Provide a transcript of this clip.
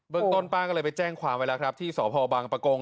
เบิร์กต้นป้าก็เลยไปแจ้งความเวลาครับที่สพบังประโกง